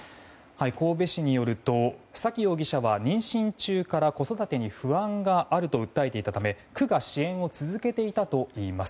神戸市によると沙喜容疑者は妊娠中から子育てに不安があると訴えていたため区が支援を続けていたといいます。